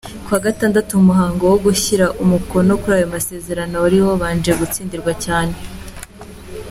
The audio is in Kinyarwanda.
Kuwa gatandatu, umuhango wo gushyira umukono kuri ayo masezerano wari wabanje gutsinzwa cyane.